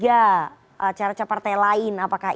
acara acara partai lain apakah